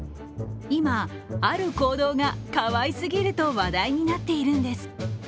今、ある行動が、かわいすぎると話題になっているんです。